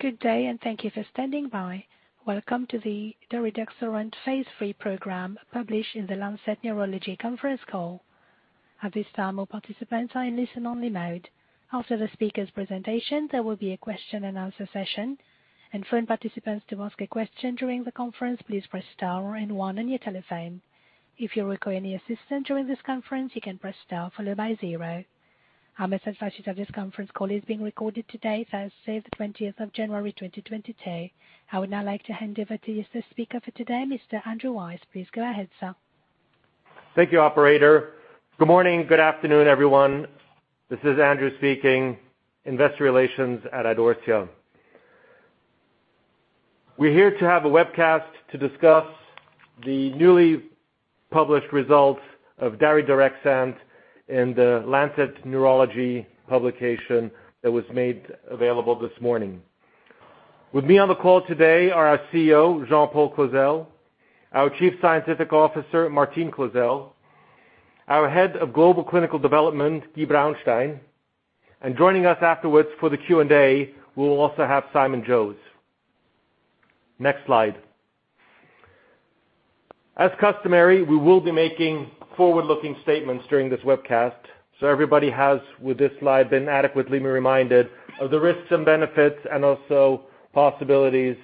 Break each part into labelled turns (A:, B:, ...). A: Good day and thank you for standing by. Welcome to the daridorexant phase III program published in The Lancet Neurology conference call. At this time, all participants are in listen-only mode. After the speakers' presentation, there will be a question-and-answer session. For participants to ask a question during the conference, please press star and one on your telephone. If you require any assistance during this conference, you can press star followed by zero. This conference call is being recorded today, Thursday the 20th of January 2022. I would now like to hand over to the speaker for today, Mr. Andrew Weiss. Please go ahead, sir.
B: Thank you, operator. Good morning, good afternoon, everyone. This is Andrew speaking, Investor Relations at Idorsia. We're here to have a webcast to discuss the newly published results of daridorexant in the Lancet Neurology publication that was made available this morning. With me on the call today are our CEO, Jean-Paul Clozel, our Chief Scientific Officer, Martine Clozel, our Head of Global Clinical Development, Guy Braunstein. Joining us afterwards for the Q&A, we'll also have Simon Jose. Next slide. As customary, we will be making forward-looking statements during this webcast, so everybody has, with this slide, been adequately reminded of the risks and benefits and also possibilities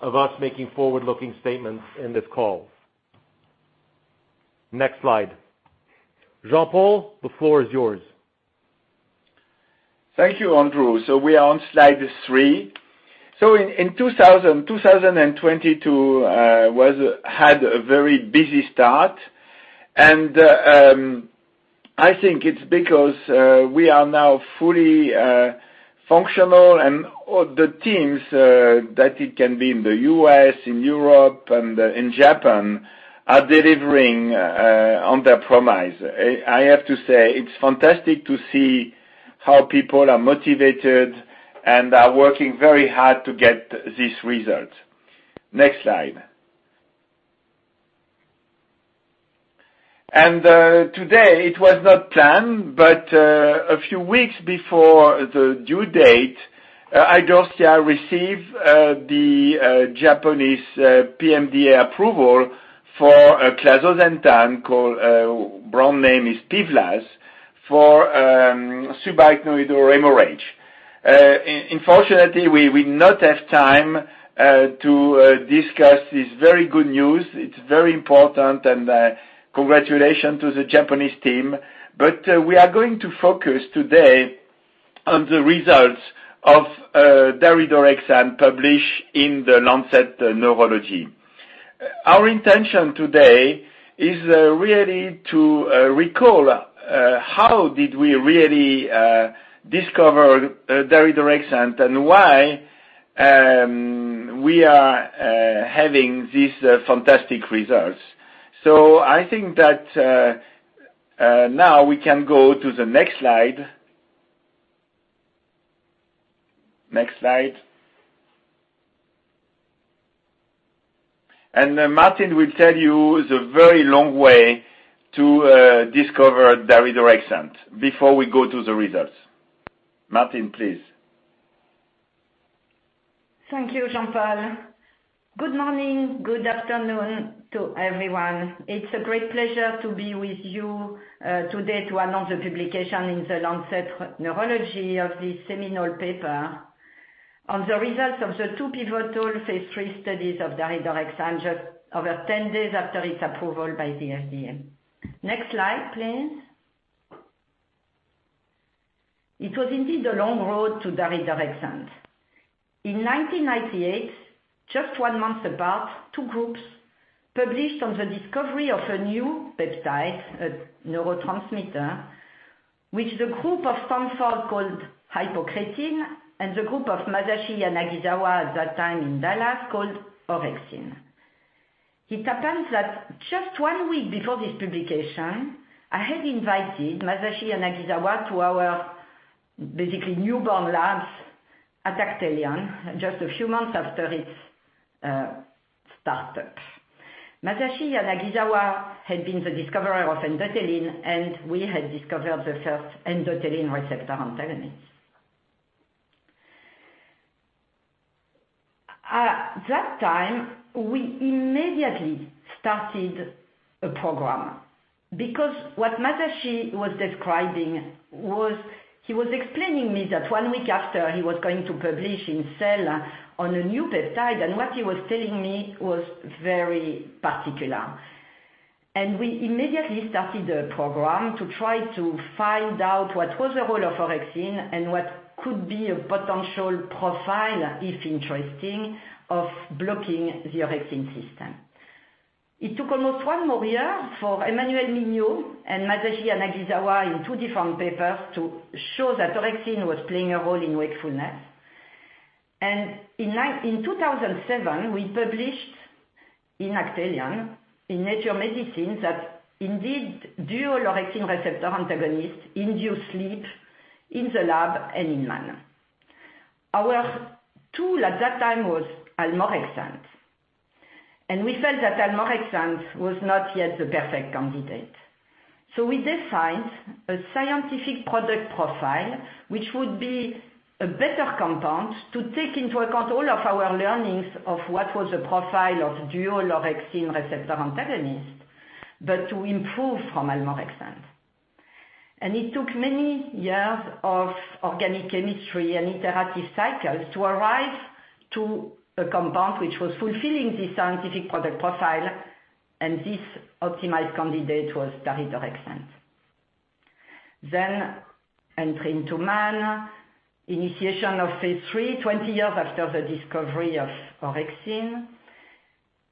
B: of us making forward-looking statements in this call. Next slide. Jean-Paul, the floor is yours.
C: Thank you, Andrew. We are on slide three. In 2022 had a very busy start. I think it's because we are now fully functional and all the teams that we have in the U.S., in Europe and in Japan are delivering on their promise. I have to say, it's fantastic to see how people are motivated and are working very hard to get this result. Next slide. Today, it was not planned, but a few weeks before the due date, Idorsia received the Japanese PMDA approval for clazosentan, called brand name is PIVLAZ, for subarachnoid hemorrhage. Unfortunately, we do not have time to discuss this very good news. It's very important, congratulations to the Japanese team. We are going to focus today on the results of daridorexant published in The Lancet Neurology. Our intention today is really to recall how did we really discover daridorexant and why we are having these fantastic results. I think that now we can go to the next slide. Next slide. Then Martine will tell you the very long way to discover daridorexant before we go to the results. Martine, please.
D: Thank you, Jean-Paul. Good morning, good afternoon to everyone. It's a great pleasure to be with you today to announce the publication in The Lancet Neurology of this seminal paper on the results of the two pivotal phase III studies of daridorexant just over 10 days after its approval by the FDA. Next slide, please. It was indeed a long road to daridorexant. In 1998, just one month apart, two groups published on the discovery of a new peptide, a neurotransmitter, which the group of Stanford called hypocretin and the group of Masashi Yanagisawa at that time in Dallas called orexin. It happens that just one week before this publication, I had invited Masashi Yanagisawa to our basically newborn labs at Actelion, just a few months after its startup. Masashi Yanagisawa had been the discoverer of endothelin, and we had discovered the first endothelin receptor antagonist. At that time, we immediately started a program because what Masashi was describing was, he was explaining me that one week after he was going to publish in Cell on a new peptide, and what he was telling me was very particular. We immediately started a program to try to find out what was the role of orexin and what could be a potential profile, if interesting, of blocking the orexin system. It took almost one more year for Emmanuel Mignot and Masashi Yanagisawa in two different papers to show that orexin was playing a role in wakefulness. In 2007, we published in Actelion, in Nature Medicine, that indeed dual orexin receptor antagonists induce sleep in the lab and in man. Our tool at that time was almorexant. We felt that almorexant was not yet the perfect candidate. We designed a scientific product profile, which would be a better compound to take into account all of our learnings of what was the profile of dual orexin receptor antagonist, but to improve from almorexant. It took many years of organic chemistry and interactive cycles to arrive to a compound which was fulfilling the scientific product profile, and this optimized candidate was daridorexant. Entering to man, initiation of phase III, 20 years after the discovery of orexin.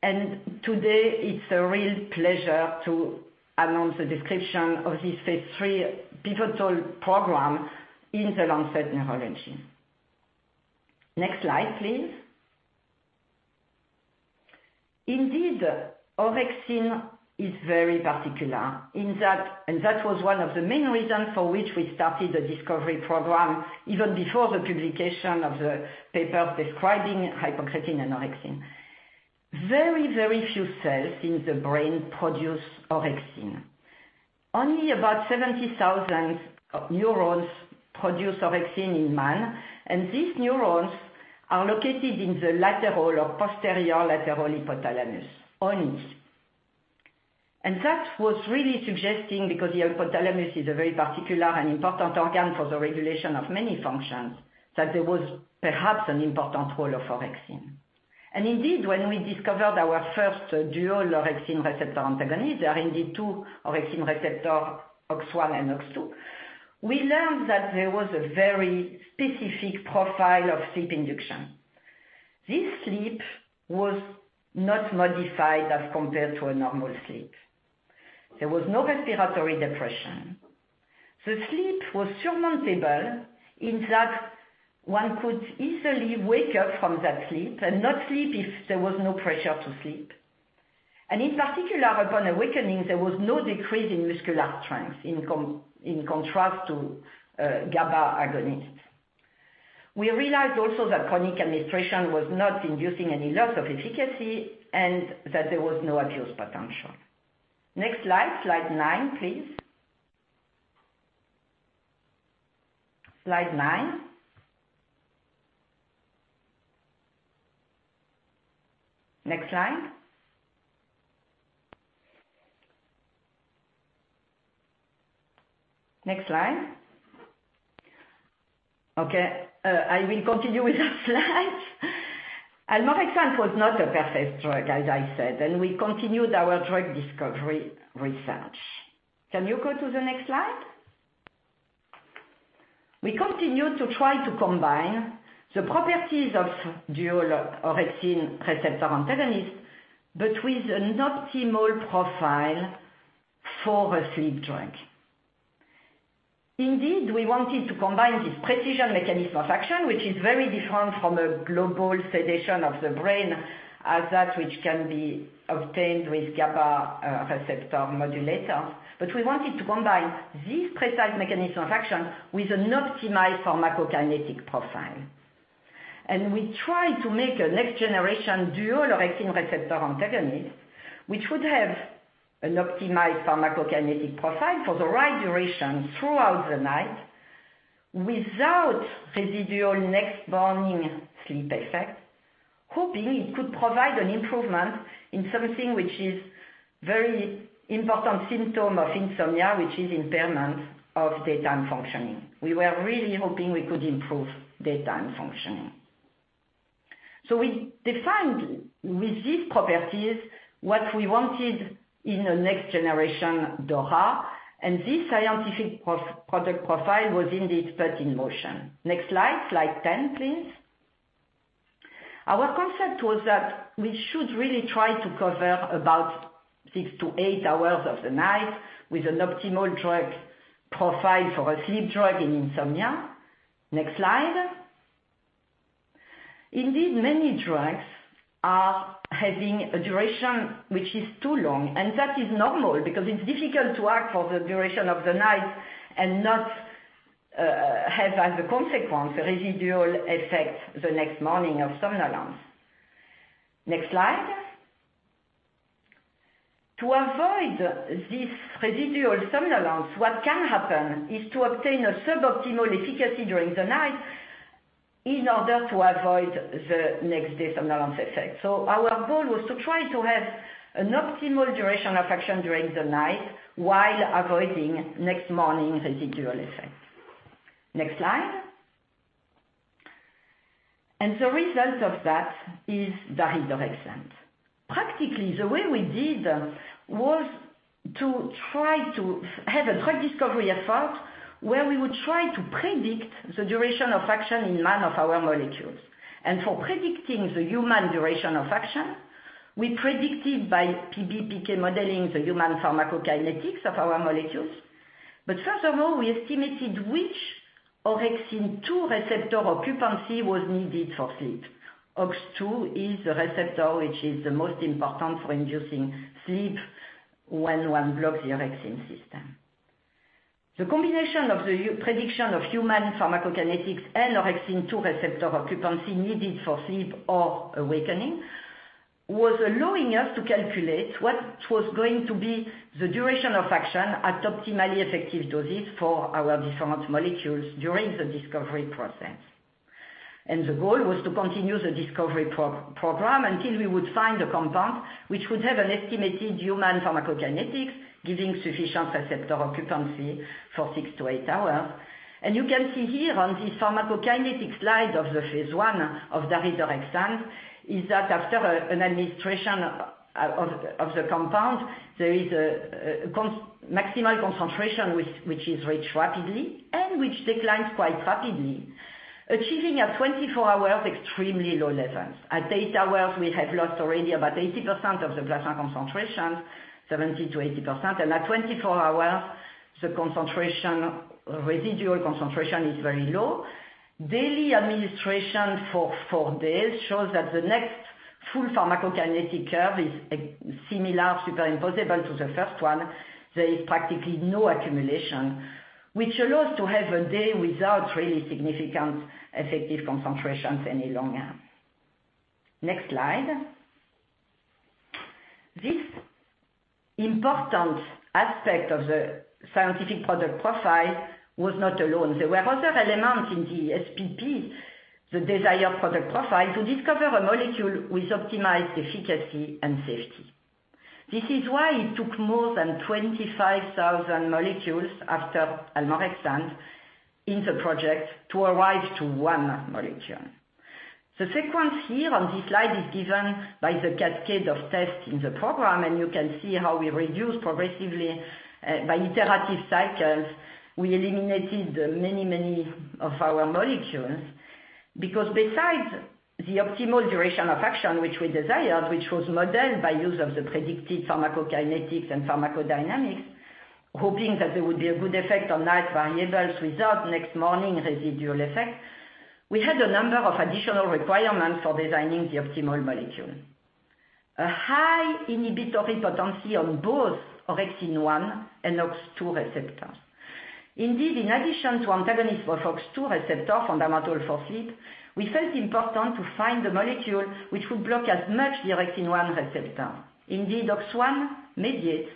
D: Today it's a real pleasure to announce the description of this phase III pivotal program in The Lancet Neurology. Next slide, please. Indeed, orexin is very particular in that, and that was one of the main reasons for which we started the discovery program even before the publication of the paper describing hypocretin and orexin. Very, very few cells in the brain produce orexin. Only about 70,000 neurons produce orexin in man, and these neurons are located in the lateral or posterior lateral hypothalamus, ONs. That was really suggesting, because the hypothalamus is a very particular and important organ for the regulation of many functions, that there was perhaps an important role of orexin. Indeed, when we discovered our first dual orexin receptor antagonist, there are indeed two orexin receptors, OX1 and OX2, we learned that there was a very specific profile of sleep induction. This sleep was not modified as compared to a normal sleep. There was no respiratory depression. The sleep was surmountable in that one could easily wake up from that sleep and not sleep if there was no pressure to sleep. In particular, upon awakening, there was no decrease in muscular strength in contrast to GABA agonist. We realized also that chronic administration was not inducing any loss of efficacy and that there was no abuse potential. Next slide nine, please. Slide nine. Next slide. Next slide. Okay, I will continue with the slides. Almorexant was not a perfect drug, as I said, and we continued our drug discovery research. Can you go to the next slide? We continued to try to combine the properties of dual orexin receptor antagonist, but with an optimal profile for a sleep drug. Indeed, we wanted to combine this precision mechanism of action, which is very different from a global sedation of the brain as that which can be obtained with GABA receptor modulator. We wanted to combine this precise mechanism of action with an optimized pharmacokinetic profile. We tried to make a next generation dual orexin receptor antagonist, which would have an optimized pharmacokinetic profile for the right duration throughout the night without residual next morning sleep effect. Hoping it could provide an improvement in something which is very important symptom of insomnia, which is impairment of daytime functioning. We were really hoping we could improve daytime functioning. We defined with these properties what we wanted in a next generation DORA, and this scientific target product profile was indeed put in motion. Next slide, slide 10, please. Our concept was that we should really try to cover about 6-8 hours of the night with an optimal drug profile for a sleep drug in insomnia. Next slide. Indeed, many drugs are having a duration which is too long, and that is normal because it's difficult to act for the duration of the night and not have as a consequence, a residual effect the next morning of somnolence. Next slide. To avoid this residual somnolence, what can happen is to obtain a suboptimal efficacy during the night in order to avoid the next day somnolence effect. Our goal was to try to have an optimal duration of action during the night while avoiding next morning residual effect. Next slide. The result of that is daridorexant. Practically, the way we did was to try to have a drug discovery effort where we would try to predict the duration of action in man of our molecules. For predicting the human duration of action, we predicted by PBPK modeling the human pharmacokinetics of our molecules. We estimated which orexin two-receptor occupancy was needed for sleep. OX2 is the receptor which is the most important for inducing sleep when one blocks the orexin system. The combination of the prediction of human pharmacokinetics and orexin-2 receptor occupancy needed for sleep or awakening was allowing us to calculate what was going to be the duration of action at optimally effective doses for our different molecules during the discovery process. The goal was to continue the discovery program until we would find a compound which would have an estimated human pharmacokinetics giving sufficient receptor occupancy for six to eight hours. You can see here on this pharmacokinetic slide of phase I of daridorexant, is that after an administration of the compound, there is a maximal concentration which is reached rapidly and which declines quite rapidly, achieving 24-hour extremely low levels. At eight hours, we have lost already about 80% of the plasma concentration, 70%-80%, and at 24 hours, the residual concentration is very low. Daily administration for four days shows that the next full pharmacokinetic curve is similar, superimposable to the first one. There is practically no accumulation, which allows to have a day without really significant effective concentrations any longer. Next slide. This important aspect of the scientific product profile was not alone. There were other elements in the SPP, the desired product profile, to discover a molecule with optimized efficacy and safety. This is why it took more than 25,000 molecules after almorexant in the project to arrive to one molecule. The sequence here on this slide is given by the cascade of tests in the program, and you can see how we reduce progressively by iterative cycles. We eliminated many, many of our molecules because besides the optimal duration of action which we desired, which was modeled by use of the predicted pharmacokinetics and pharmacodynamics, hoping that there would be a good effect on night variables without next morning residual effect. We had a number of additional requirements for designing the optimal molecule. A high inhibitory potency on both orexin-1 and OX2 receptors. Indeed, in addition to antagonism of OX2 receptor, fundamental for sleep, we felt important to find the molecule which would block as much the orexin-1 receptor. Indeed, OX1 mediates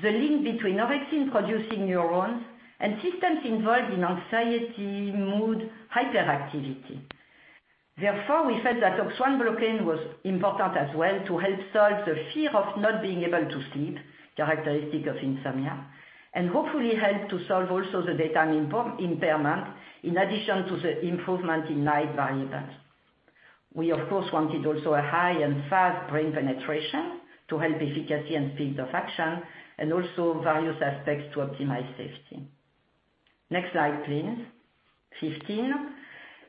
D: the link between orexin-producing neurons and systems involved in anxiety, mood, hyperactivity. Therefore, we felt that OX1 blocking was important as well to help solve the fear of not being able to sleep, characteristic of insomnia, and hopefully help to solve also the daytime impairment in addition to the improvement in night variables. We, of course, wanted also a high and fast brain penetration to help efficacy and speed of action and also various aspects to optimize safety. Next slide, please. 15.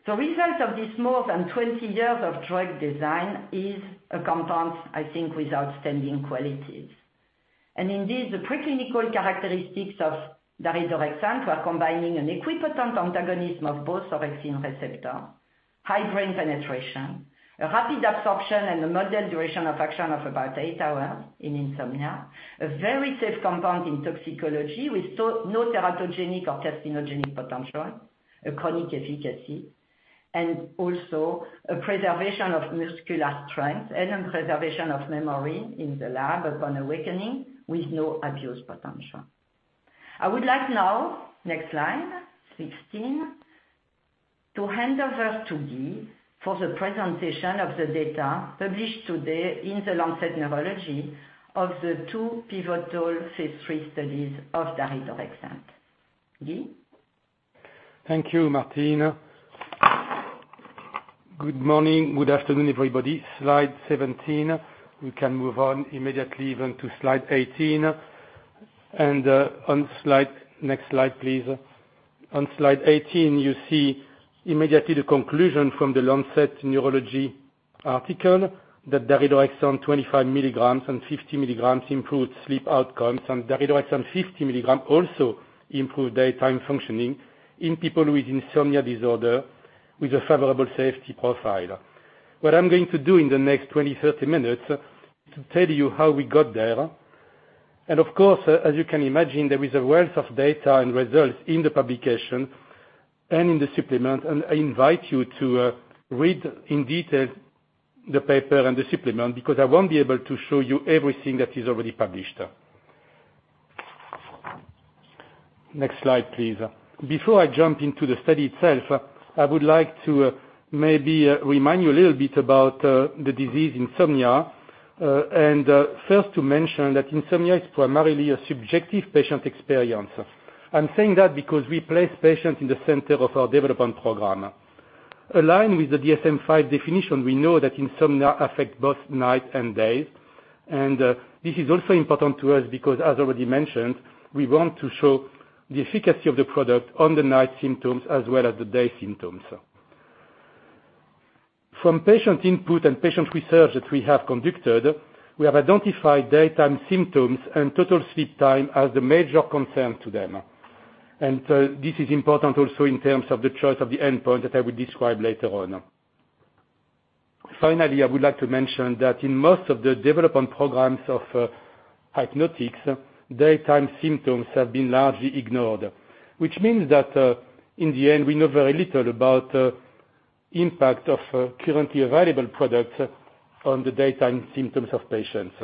D: The result of this more than 20 years of drug design is a compound, I think, with outstanding qualities. Indeed, the preclinical characteristics of daridorexant were combining an equipotent antagonism of both orexin receptor, high brain penetration, a rapid absorption and a moderate duration of action of about eight hours in insomnia, a very safe compound in toxicology with no teratogenic or carcinogenic potential, a chronic efficacy, and also a preservation of muscular strength and a preservation of memory in the lab upon awakening with no abuse potential. I would like now, next slide, 16, to hand over to Guy for the presentation of the data published today in The Lancet Neurology of the two pivotal phase III studies of daridorexant. Guy?
E: Thank you, Martine. Good morning. Good afternoon, everybody. Slide 17. We can move on immediately even to slide 18. On slide 18, you see immediately the conclusion from the Lancet Neurology article that daridorexant 25 mg and 50 mg improved sleep outcomes, and daridorexant 50 mg also improved daytime functioning in people with insomnia disorder with a favorable safety profile. What I'm going to do in the next 20-30 minutes is to tell you how we got there. Of course, as you can imagine, there is a wealth of data and results in the publication and in the supplement, and I invite you to read in detail the paper and the supplement because I won't be able to show you everything that is already published. Next slide, please. Before I jump into the study itself, I would like to maybe remind you a little bit about the disease insomnia, and first to mention that insomnia is primarily a subjective patient experience. I'm saying that because we place patients in the center of our development program. Aligned with the DSM-5 definition, we know that insomnia affect both night and day. This is also important to us because, as already mentioned, we want to show the efficacy of the product on the night symptoms as well as the day symptoms. From patient input and patient research that we have conducted, we have identified daytime symptoms and total sleep time as the major concern to them. This is important also in terms of the choice of the endpoint that I will describe later on. Finally, I would like to mention that in most of the development programs of hypnotics, daytime symptoms have been largely ignored. Which means that in the end, we know very little about impact of currently available products on the daytime symptoms of patients.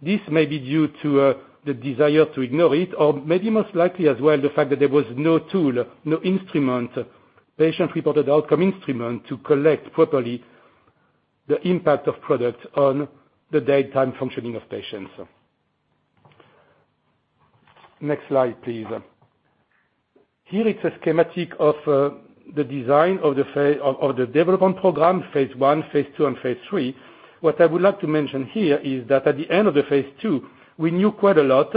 E: This may be due to the desire to ignore it, or maybe most likely as well, the fact that there was no tool, no instrument, patient-reported outcome instrument to collect properly the impact of products on the daytime functioning of patients. Next slide, please. Here is a schematic of the design of the development program, phase I, phase II, and phase III. What I would like to mention here is that at the end of phase II, we knew quite a lot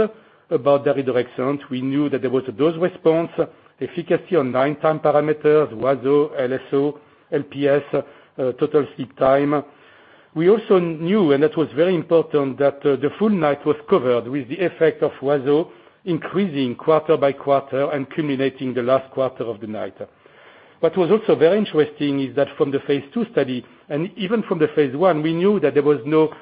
E: about daridorexant. We knew that there was a dose response efficacy on nine time parameters, WASO, LSO, LPS, total sleep time. We also knew, and that was very important, that the full night was covered with the effect of WASO increasing quarter by quarter and culminating the last quarter of the night. What was also very interesting is that from the phase II study, and even from phase I, we knew that there was no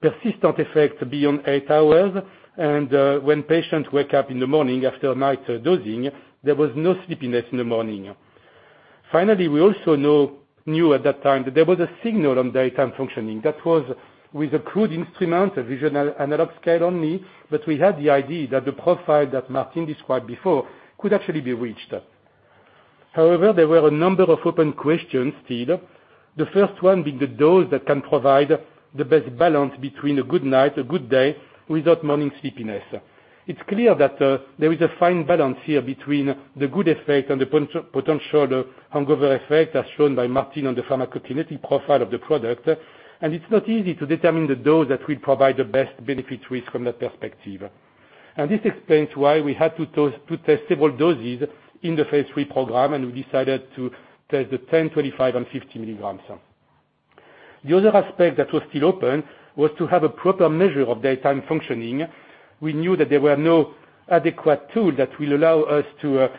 E: persistent effect beyond eight hours, and when patients wake up in the morning after a night of dosing, there was no sleepiness in the morning. Finally, we knew at that time that there was a signal on daytime functioning that was with a crude instrument, a visual analog scale only, but we had the idea that the profile that Martine described before could actually be reached. However, there were a number of open questions still. The first one being the dose that can provide the best balance between a good night, a good day, without morning sleepiness. It's clear that there is a fine balance here between the good effect and the potential hangover effect, as shown by Martine on the pharmacokinetic profile of the product. It's not easy to determine the dose that will provide the best benefit risk from that perspective. This explains why we had to test several doses in the phase III program, and we decided to test the 10, 25, and 50 mg. The other aspect that was still open was to have a proper measure of daytime functioning. We knew that there were no adequate tools that will allow us to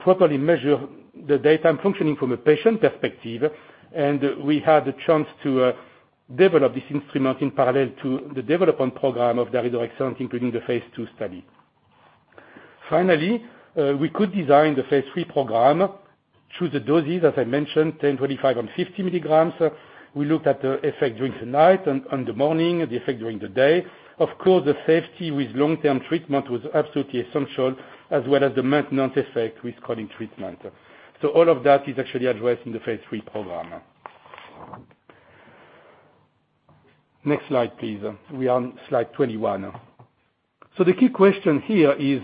E: properly measure the daytime functioning from a patient perspective, and we had the chance to develop this instrument in parallel to the development program of daridorexant, including the phase II study. Finally, we could design the phase III program through the doses, as I mentioned, 10, 25, and 50 mg. We looked at the effect during the night and the morning, the effect during the day. Of course, the safety with long-term treatment was absolutely essential, as well as the maintenance effect with continuing treatment. All of that is actually addressed in the phase III program. Next slide, please. We are on slide 21. The key question here is,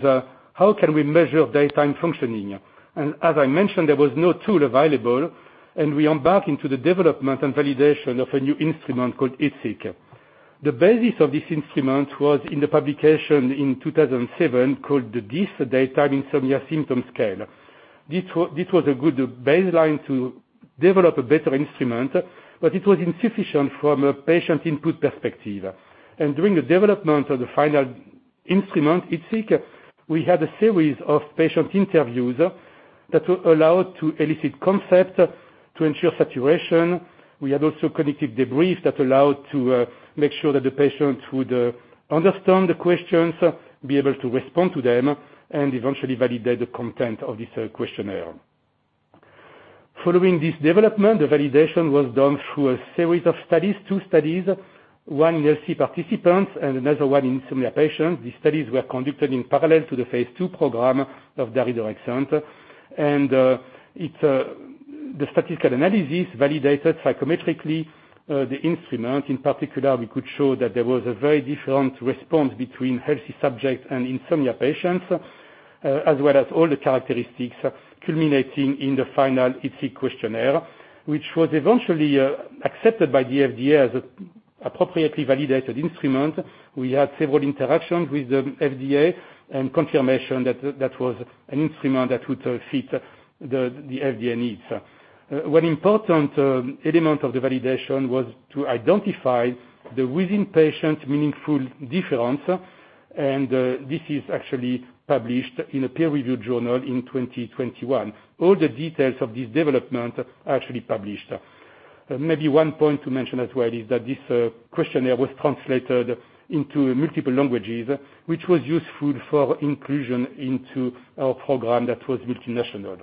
E: how can we measure daytime functioning? As I mentioned, there was no tool available, and we embarked into the development and validation of a new instrument called IDSIQ. The basis of this instrument was in the publication in 2007, called the DISS, Daytime Insomnia Symptom Scale. This was a good baseline to develop a better instrument, but it was insufficient from a patient input perspective. During the development of the final instrument, IDSIQ, we had a series of patient interviews that allowed to elicit concept to ensure saturation. We had also cognitive debrief that allowed to make sure that the patients would understand the questions, be able to respond to them, and eventually validate the content of this questionnaire. Following this development, the validation was done through a series of studies, two studies, one in healthy participants and another one in insomnia patients. These studies were conducted in parallel to the phase II program of daridorexant. The statistical analysis validated psychometrically the instrument. In particular, we could show that there was a very different response between healthy subjects and insomnia patients, as well as all the characteristics culminating in the final IDSIQ questionnaire, which was eventually accepted by the FDA as appropriately validated instrument. We had several interactions with the FDA and confirmation that that was an instrument that would fit the FDA needs. One important element of the validation was to identify the within-patient meaningful difference, and this is actually published in a peer-reviewed journal in 2021. All the details of this development are actually published. Maybe one point to mention as well is that this questionnaire was translated into multiple languages, which was useful for inclusion into our program that was multinational.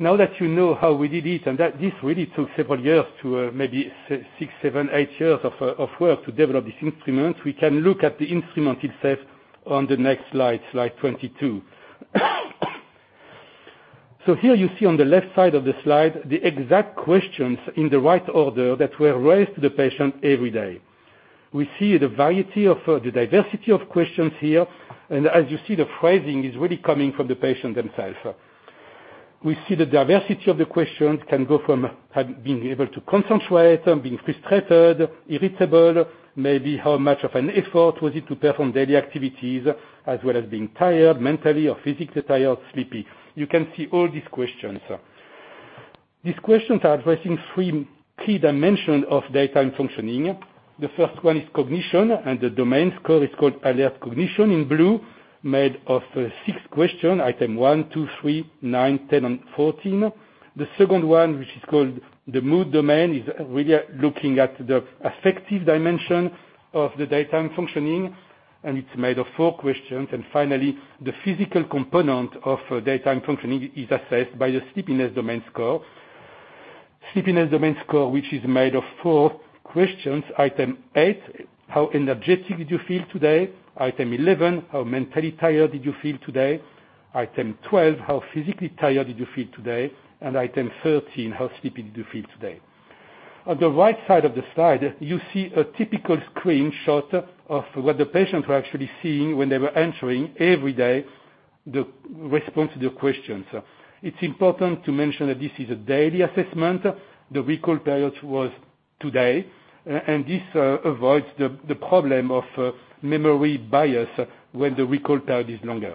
E: Now that you know how we did it and that this really took several years to maybe six, seven, eight years of work to develop this instrument, we can look at the instrument itself on the next slide 22. So here you see on the left side of the slide, the exact questions in the right order that were raised to the patient every day. We see the variety of the diversity of questions here, and as you see, the phrasing is really coming from the patient themselves. We see the diversity of the questions can go from being able to concentrate, being frustrated, irritable, maybe how much of an effort was it to perform daily activities, as well as being tired, mentally or physically tired, sleepy. You can see all these questions. These questions are addressing three key dimensions of daytime functioning. The first one is Cognition, and the domain score is called alert cognition in blue, made of six question items 1, 2, 3, 9, 10, and 14. The second one, which is called the Mood domain, is really looking at the affective dimension of daytime functioning, and it's made of four questions. Finally, the physical component of daytime functioning is assessed by the Sleepiness domain score, which is made of four questions. Item 8, how energetic did you feel today? Item 11, how mentally tired did you feel today? Item 12, how physically tired did you feel today? And item 13, how sleepy did you feel today? On the right side of the slide, you see a typical screenshot of what the patients were actually seeing when they were entering every day the response to the questions. It's important to mention that this is a daily assessment. The recall period was today, and this avoids the problem of memory bias when the recall period is longer.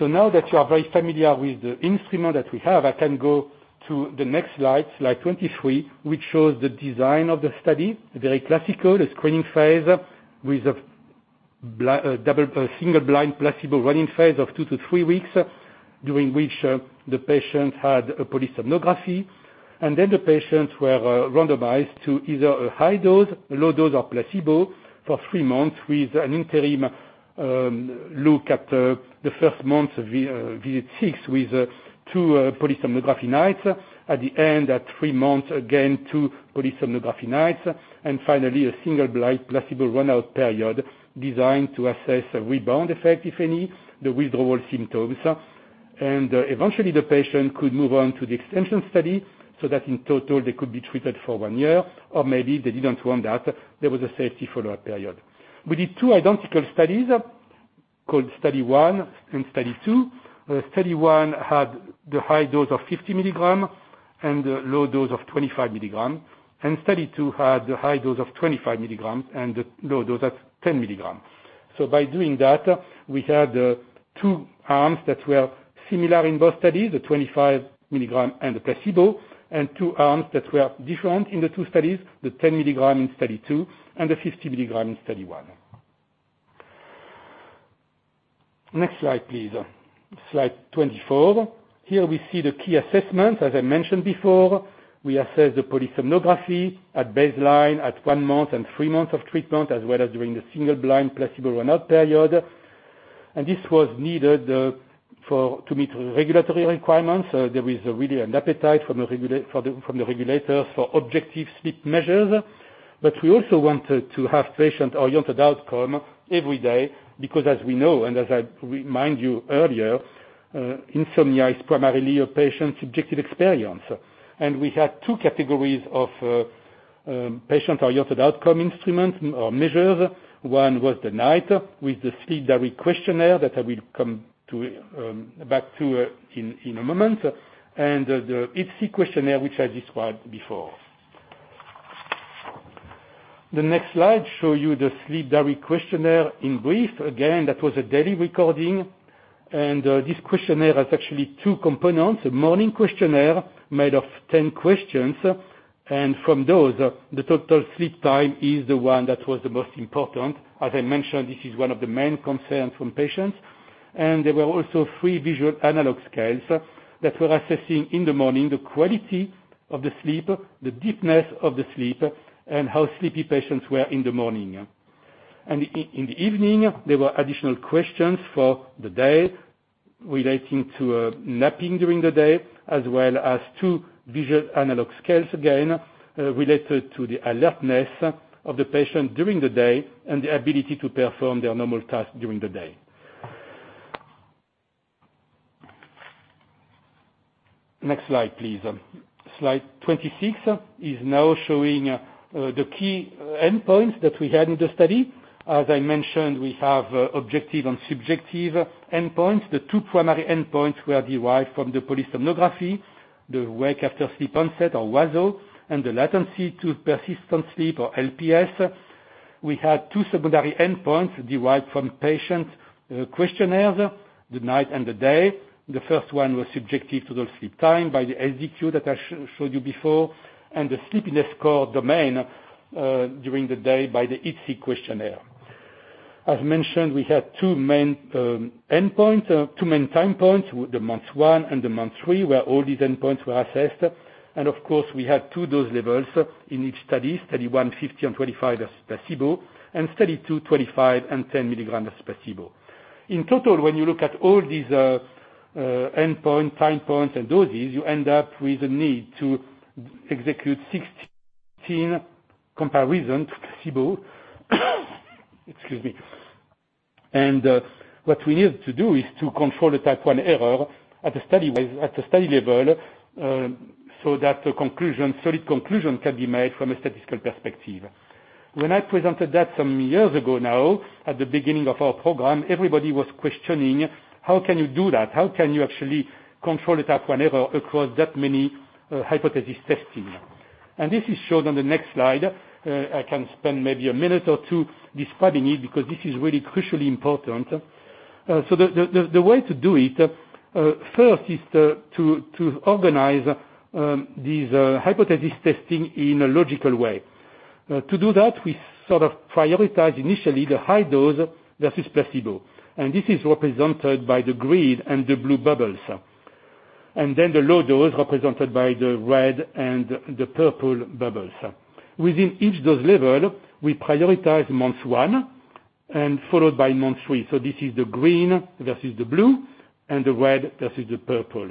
E: Now that you are very familiar with the instrument that we have, I can go to the next slide 23, which shows the design of the study, very classical. A screening phase with a double-blind placebo run-in phase of two to three weeks, during which the patient had a polysomnography. The patients were randomized to either a high dose, low dose, or placebo for three months with an interim look at the first month visits, with two polysomnography nights. At the end, at three months, again two polysomnography nights. Finally, a single blind placebo run-out period designed to assess a rebound effect, if any, the withdrawal symptoms. Eventually, the patient could move on to the extension study, so that in total they could be treated for one year, or maybe they didn't want that, there was a safety follow-up period. We did two identical studies, study 1 and Study 2. Study 1 had the high dose of 50 mg and the low dose of 25 mg, Study 2 had the high dose of 25 mg and the low dose at 10 mg. By doing that, we had two arms that were similar in both studies, the 25 mg and the placebo, and two arms that were different in the two studies, the 10 mg Study 2 and the 50 mg Study 1. next slide, please. Slide 24. Here we see the key assessments. As I mentioned before, we assess the polysomnography at baseline at one month and three months of treatment, as well as during the single-blind placebo run-out period. This was needed for to meet regulatory requirements. There is really an appetite from the regulators for objective sleep measures. We also wanted to have patient-oriented outcome every day, because as we know, and as I remind you earlier, insomnia is primarily a patient subjective experience. We had two categories of patient-oriented outcome instrument or measures. One was the night with the Sleep Diary Questionnaire that I will come back to in a moment, and the IDSIQ questionnaire, which I described before. The next slide shows you the Sleep Diary Questionnaire in brief. Again, that was a daily recording. This questionnaire has actually two components, a morning questionnaire made of 10 questions. From those, the total sleep time is the one that was the most important. As I mentioned, this is one of the main concerns from patients. There were also three visual analog scales that were assessing in the morning the quality of the sleep, the deepness of the sleep, and how sleepy patients were in the morning. In the evening, there were additional questions for the day relating to napping during the day, as well as two visual analog scales, again related to the alertness of the patient during the day and the ability to perform their normal tasks during the day. Next slide, please. Slide 26 is now showing the key endpoints that we had in the study. As I mentioned, we have objective and subjective endpoints. The two primary endpoints were derived from the polysomnography, the Wake After Sleep Onset, or WASO, and the Latency to Persistent Sleep, or LPS. We had two secondary endpoints derived from patient questionnaires, the night and the day. The first one was subjective total sleep time by the SDQ that I showed you before, and the sleepiness domain during the day by the IDSIQ questionnaire. As mentioned, we had two main endpoints, two main time points, the Month 1 and the Month 3, where all these endpoints were assessed. Of course, we had two dose levels in each study. Study 1, 50 mg and 25 mg as placebo, and Study 2, 25 mg and 10 mg as placebo. In total, when you look at all these, endpoints, time points, and doses, you end up with a need to execute 16 comparisons to placebo. Excuse me. What we needed to do is to control the Type I error at a study level, so that a solid conclusion can be made from a statistical perspective. When I presented that some years ago now, at the beginning of our program, everybody was questioning, "How can you do that? How can you actually control the Type I error across that many hypothesis testing? This is shown on the next slide. I can spend maybe a minute or two describing it because this is really crucially important. The way to do it first is to organize this hypothesis testing in a logical way. To do that, we sort of prioritize initially the high dose versus placebo, and this is represented by the green and the blue bubbles. Then the low dose represented by the red and the purple bubbles. Within each dose level, we prioritize Month 1 followed by Month 3. This is the green versus the blue and the red versus the purple.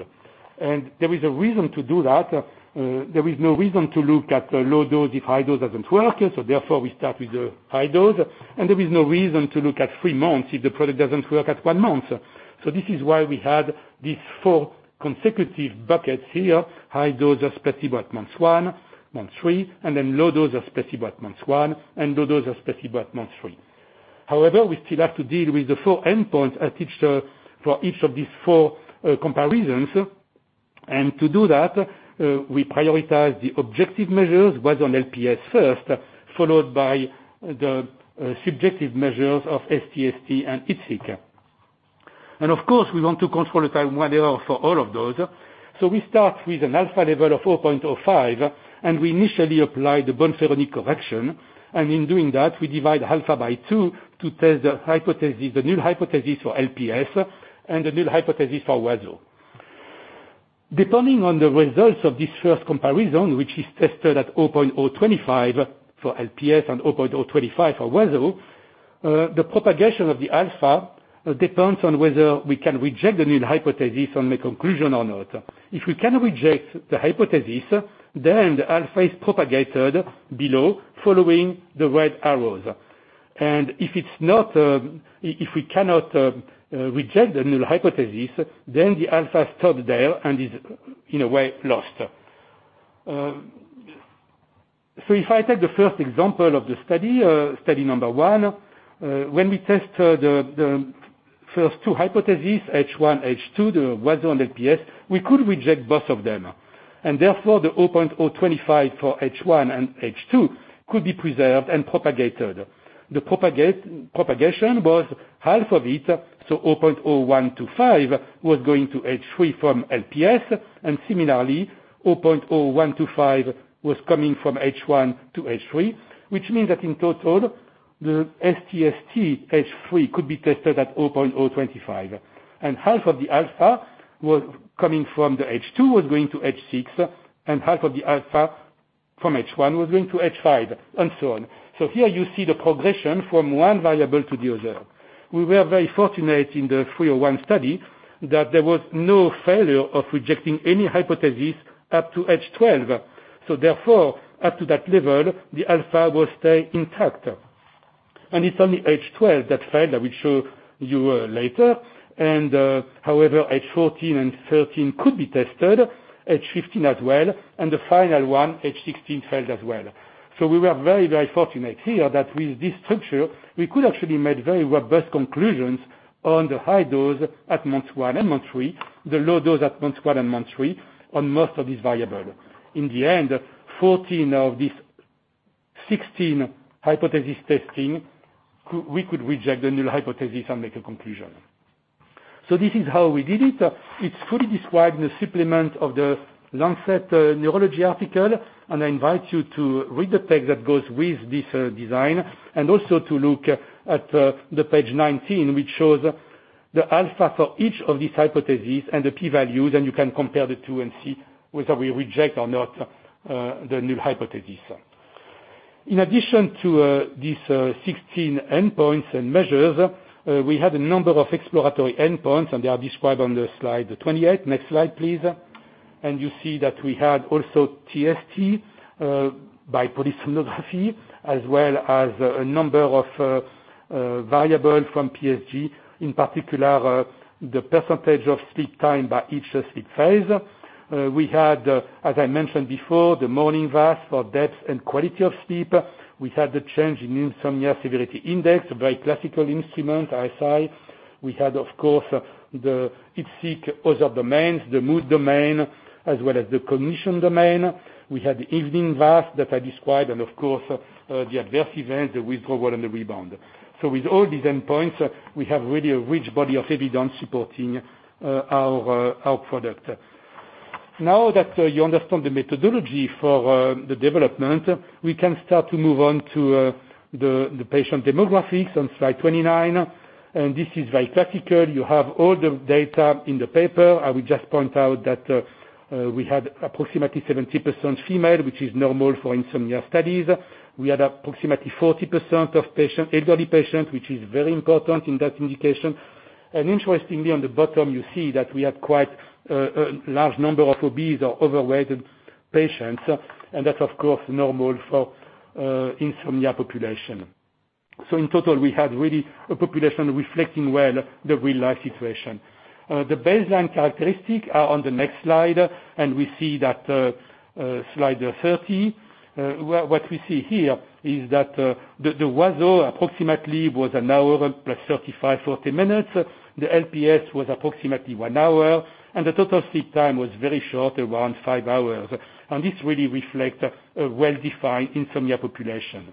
E: There is a reason to do that. There is no reason to look at the low dose if high dose doesn't work, so therefore we start with the high dose. There is no reason to look at three months if the product doesn't work at one month. This is why we had these four consecutive buckets here, high doses placebo at Month 1, Month 3, and then low dose of placebo at Month 1, and low dose of placebo at Month 3. However, we still have to deal with the four endpoints for each of these four comparisons. To do that, we prioritize the objective measures, whether on LPS first, followed by the subjective measures of sTST and IDSIQ. Of course, we want to control the Type I error for all of those. We start with an alpha level of 0.05, and we initially apply the Bonferroni correction. In doing that, we divide alpha by two to test the hypothesis, the null hypothesis for LPS and the null hypothesis for WASO. Depending on the results of this first comparison, which is tested at 0.025 for LPS and 0.025 for WASO, the propagation of the alpha depends on whether we can reject the null hypothesis or not. If we can reject the hypothesis, then the alpha is propagated below following the red arrows. If it's not, if we cannot reject the null hypothesis, then the alpha stop there and is in a way lost. If I take the first example of the Study number 1, when we test the first two hypotheses, H1, H2, the WASO and LPS, we could reject both of them. Therefore, the 0.025 for H1 and H2 could be preserved and propagated. The propagation was half of it, so 0.0125 was going to H3 from LPS, and similarly, 0.0125 was coming from H1 to H3, which means that in total, the sTST H3 could be tested at 0.025. Half of the alpha from H2 was going to H6, and half of the alpha from H1 was going to H5, and so on. Here you see the progression from one variable to the other. We were very fortunate in the three or one study that there was no failure of rejecting any hypothesis up to H12. Therefore, up to that level, the alpha will stay intact. It's only H12 that failed. I will show you later. However, H14 and 13 could be tested, H15 as well, and the final one, H16 failed as well. We were very, very fortunate here that with this structure, we could actually make very robust conclusions on the high dose at Month 1 and Month 3, the low dose at Month 1 and Month 3 on most of these variables. In the end, 14 of these 16-hypothesis testing we could reject the null hypothesis and make a conclusion. This is how we did it. It's fully described in the supplement of the Lancet Neurology article, and I invite you to read the text that goes with this design and also to look at the page 19, which shows the alpha for each of these hypotheses and the P values, and you can compare the two and see whether we reject or not the null hypothesis. In addition to these 16 endpoints and measures, we had a number of exploratory endpoints, and they are described on the slide 28. Next slide, please. You see that we had also TST by polysomnography, as well as a number of variables from PSG, in particular, the percentage of sleep time by each sleep phase. We had, as I mentioned before, the morning VAS for depth and quality of sleep. We had the change in Insomnia Severity Index, a very classical instrument, ISI. We had, of course, the IDSIQ other domains, the mood domain, as well as the cognition domain. We had the evening VAS that I described and of course, the adverse event, the withdrawal and the rebound. With all these endpoints, we have really a rich body of evidence supporting our product. Now that you understand the methodology for the development, we can start to move on to the patient demographics on slide 29. This is very classical. You have all the data in the paper. I will just point out that we had approximately 70% female, which is normal for insomnia studies. We had approximately 40% of patients, elderly patients, which is very important in that indication. Interestingly, on the bottom, you see that we have quite a large number of obese or overweight patients, and that's of course normal for insomnia population. In total, we had really a population reflecting well the real-life situation. The baseline characteristics are on the next slide, and we see that slide 30. What we see here is that the WASO approximately was an hour plus 35-40 minutes. The LPS was approximately one hour, and the total sleep time was very short, around five hours. This really reflect a well-defined insomnia population.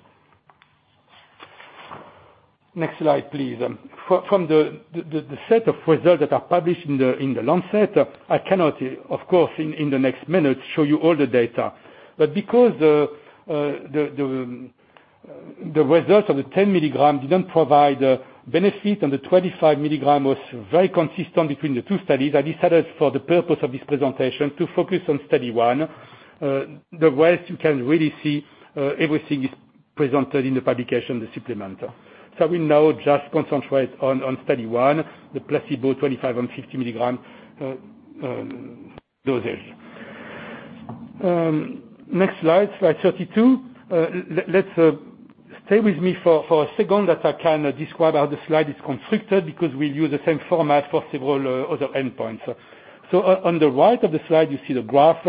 E: Next slide, please. From the set of results that are published in the Lancet, I cannot, of course, in the next minutes, show you all the data. Because the results of the 10 mg didn't provide benefit, and the 25 mg was very consistent between the two studies, I decided for the purpose of this presentation to focus Study 1. the rest you can really see, everything is presented in the publication, the supplemental. We now just concentrate Study 1, the placebo 25 and 50 mg doses. Next slide 32. Let's stay with me for a second that I can describe how the slide is constructed, because we'll use the same format for several other endpoints. On the right of the slide, you see the graph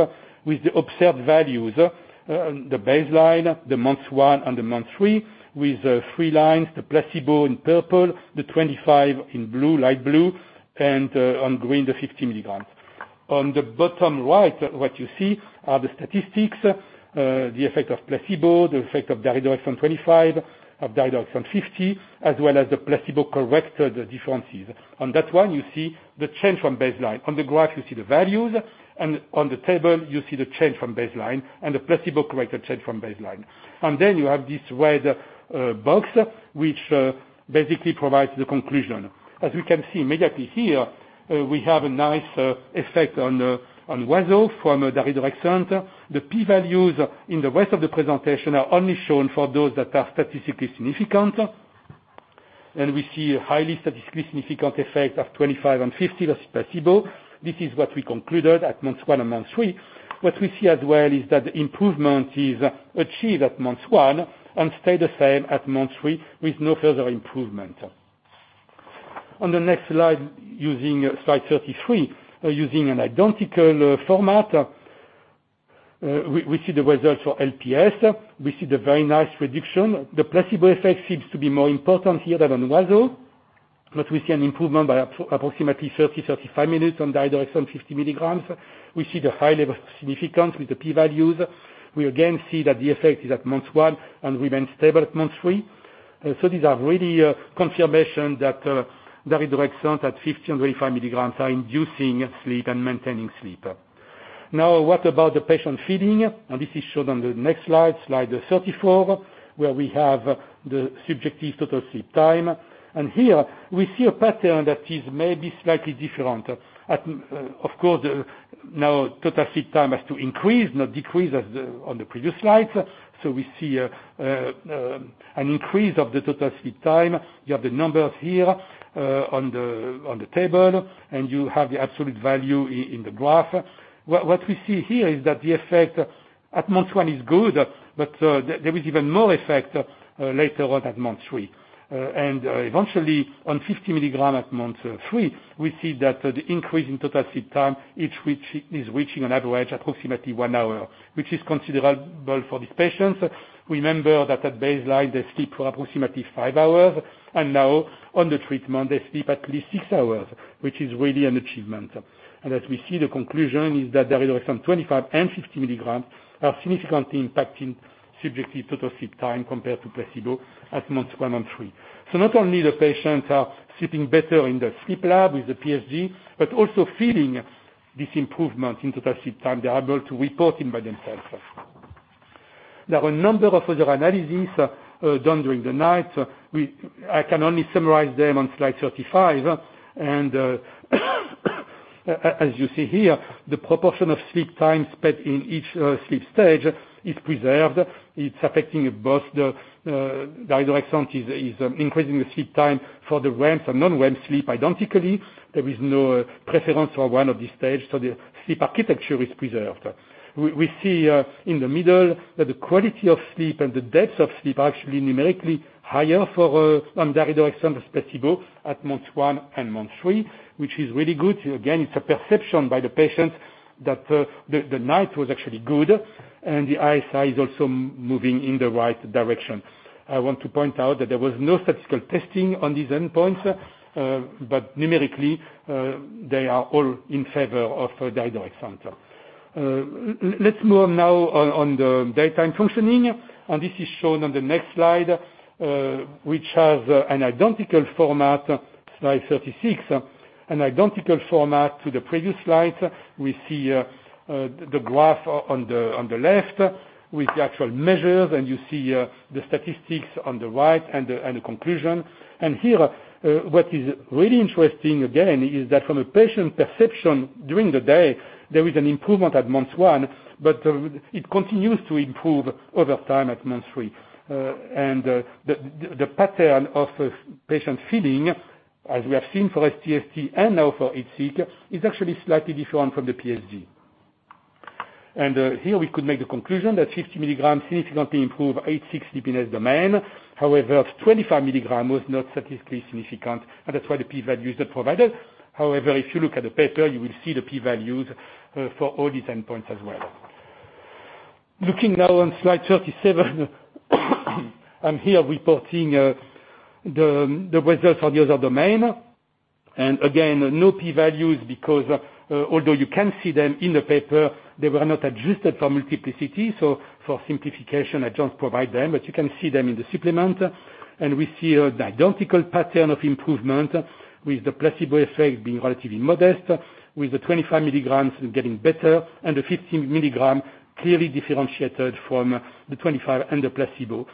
E: with the observed values. The baseline, the Month 1 and the Month 3, with three lines, the placebo in purple, the 25 in blue, light blue, and on green, the 50 mg. On the bottom right, what you see are the statistics, the effect of placebo, the effect of daridorexant 25, of daridorexant 50, as well as the placebo-corrected differences. On that one, you see the change from baseline. On the graph, you see the values, and on the table, you see the change from baseline and the placebo-corrected change from baseline. Then you have this red box, which basically provides the conclusion. As we can see immediately here, we have a nice effect on WASO from daridorexant. The P values in the rest of the presentation are only shown for those that are statistically significant. We see a highly statistically significant effect of 25 and 50 versus placebo. This is what we concluded at Month 1 and Month 3. What we see as well is that the improvement is achieved at Month 1 and stay the same at Month 3, with no further improvement. On the next slide, using slide 33, using an identical format, we see the results for LPS. We see the very nice reduction. The placebo effect seems to be more important here than on WASO, but we see an improvement by approximately 30, 35 minutes on daridorexant 50 mg. We see the high level of significance with the P values. We again see that the effect is at Month 1 and remains stable at Month 3. These are really confirmation that daridorexant at 50 and 25 mg are inducing sleep and maintaining sleep. Now, what about the patient feeling? This is shown on the next slide 34, where we have the subjective total sleep time. Here we see a pattern that is maybe slightly different. At, of course, now total sleep time has to increase, not decrease on the previous slides. We see an increase of the total sleep time. You have the numbers here on the table, and you have the absolute value in the graph. What we see here is that the effect at Month 1 is good, but there is even more effect later on at Month 3. Eventually on 50 mg at month three, we see that the increase in total sleep time is reaching an average approximately one hour, which is considerable for these patients. Remember that at baseline, they sleep for approximately five hours, and now on the treatment, they sleep at least six hours, which is really an achievement. As we see, the conclusion is that daridorexant 25 and 50 mg are significantly impacting subjective total sleep time compared to placebo at month one and three. Not only the patients are sleeping better in the sleep lab with the PSG, but also feeling this improvement in total sleep time. They are able to report it by themselves. There are a number of other analyses done during the night. I can only summarize them on slide 35. As you see here, the proportion of sleep time spent in each sleep stage is preserved. daridorexant is increasing the sleep time for the REM and non-REM sleep identically. There is no preference for one of these stages, so the sleep architecture is preserved. We see in the middle that the quality of sleep and the depth of sleep are actually numerically higher on daridorexant versus placebo at month one and month three, which is really good. Again, it's a perception by the patients that the night was actually good, and the ISI is also moving in the right direction. I want to point out that there was no statistical testing on these endpoints, but numerically, they are all in favor of daridorexant. Let's move now on the daytime functioning, and this is shown on the next slide, which has an identical format, slide 36, an identical format to the previous slide. We see the graph on the left with the actual measures, and you see the statistics on the right and the conclusion. Here, what is really interesting, again, is that from a patient perception during the day, there is an improvement at Month 1, but it continues to improve over time at Month 3. The pattern of patient feeling, as we have seen for sTST and now for IDSIQ, is actually slightly different from the PSG. Here we could make the conclusion that 50 mg significantly improve IDSIQ sleepiness domain. However, 25 mg was not statistically significant, and that's why the P value is not provided. However, if you look at the paper, you will see the P values for all these endpoints as well. Looking now on slide 37, I'm here reporting the results for the other domain. Again, no P values because although you can see them in the paper, they were not adjusted for multiplicity. So, for simplification, I don't provide them, but you can see them in the supplement. We see identical pattern of improvement with the placebo effect being relatively modest, with the 25 mg getting better and the 50 mg clearly differentiated from the 25 and the placebo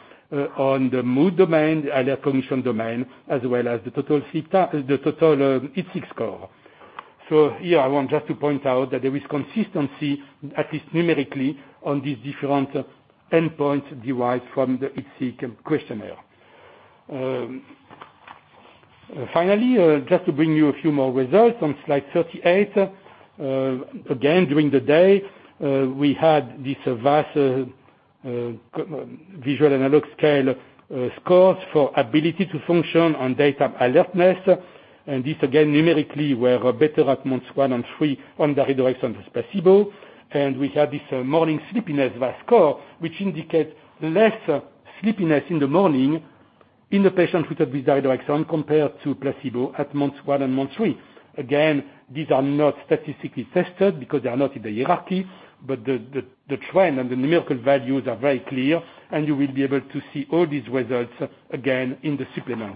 E: on the Mood domain, the Alert/Cognition domain, as well as the total IDSIQ score. Here I want just to point out that there is consistency, at least numerically, on these different endpoints derived from the IDSIQ questionnaire. Finally, just to bring you a few more results on slide 38. Again, during the day, we had this VAS, visual analog scale, scores for ability to function on daytime alertness. This again, numerically were better at Months one and three on daridorexant versus placebo. We had this morning sleepiness VAS score, which indicate less sleepiness in the morning in the patients with the daridorexant compared to placebo at Month 1 and Month 3. Again, these are not statistically tested because they are not in the hierarchy, but the trend and the numerical values are very clear, and you will be able to see all these results again in the supplement.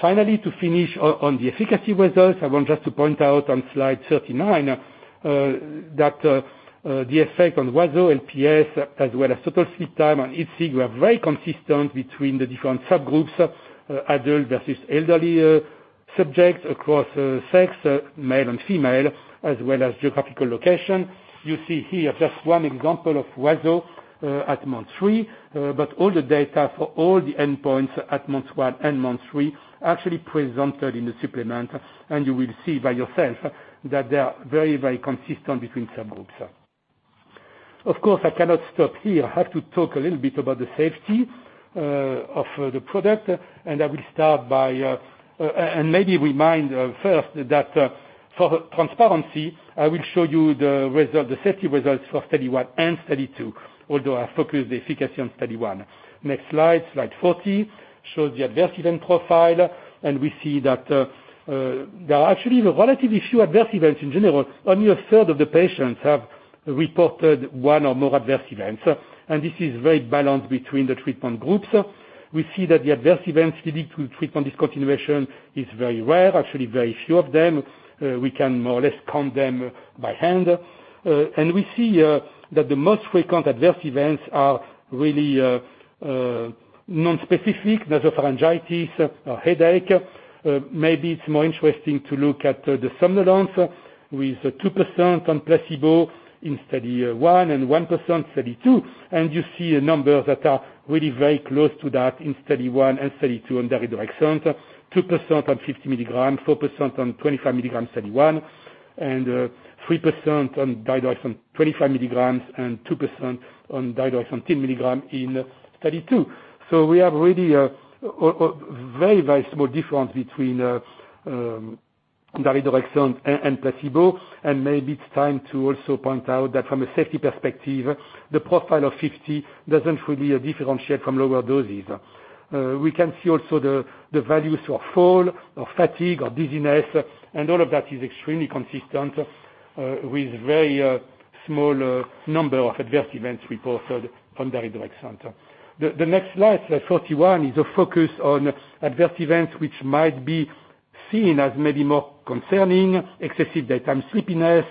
E: Finally, to finish on the efficacy results, I want just to point out on slide 39, that the effect on WASO, LPS, as well as total sleep time on sTST were very consistent between the different subgroups, adult versus elderly subjects across sex, male and female, as well as geographical location. You see here just one example of WASO at Month 3. But all the data for all the endpoints at Month 1 and Month 3 are actually presented in the supplement. You will see by yourself that they are very, very consistent between subgroups. Of course, I cannot stop here. I have to talk a little bit about the safety of the product. I will start by and maybe remind first that for transparency, I will show you the result, the safety results Study 2, although I focused the efficacy Study 1. next slide 40, shows the adverse event profile. We see that there are actually relatively few adverse events in general. Only a third of the patients have reported one or more adverse events, and this is very balanced between the treatment groups. We see that the adverse events leading to treatment discontinuation is very rare. Actually very few of them. We can more or less count them by hand. And we see that the most frequent adverse events are really non-specific, nasopharyngitis or headache. Maybe it's more interesting to look at the somnolence with 2% on placebo in Study 1 and 1% Study 2. You see a number that are really very close to that in Study 1 and Study 2 on daridorexant. 2% on 50 mg, 4% on 25 mg Study 1, and 3% on daridorexant 25 mg and 2% on daridorexant 10 mg in Study 2. We have really a very small difference between daridorexant and placebo. Maybe it's time to also point out that from a safety perspective, the profile of 50 doesn't really differentiate from lower doses. We can see also the values for fall or fatigue or dizziness, and all of that is extremely consistent with very small number of adverse events reported from daridorexant. The next slide 41, is a focus on adverse events which might be seen as maybe more concerning, excessive daytime sleepiness,